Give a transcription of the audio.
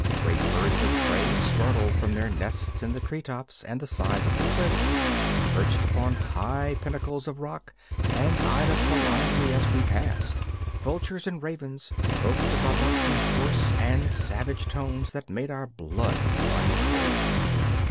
Great birds of prey, startled from their nests in the treetops and the sides of the cliffs, perched upon high pinnacles of rock and eyed us malignly as we passed; vultures and ravens croaked above us in hoarse and savage tones that made our blood run cold.